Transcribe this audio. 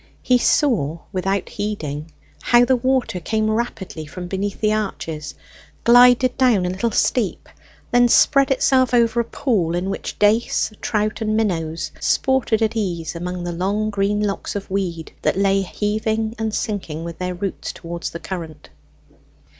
He saw without heeding how the water came rapidly from beneath the arches, glided down a little steep, then spread itself over a pool in which dace, trout, and minnows sported at ease among the long green locks of weed that lay heaving and sinking with their roots towards the current.